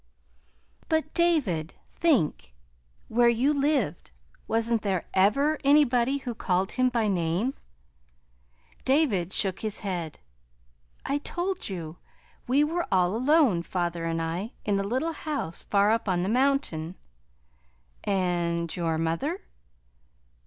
"But, David, think. Where you lived, wasn't there ever anybody who called him by name?" David shook his head. "I told you. We were all alone, father and I, in the little house far up on the mountain." "And your mother?"